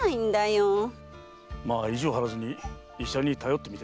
まあ意地を張らずに医者に頼ってみては？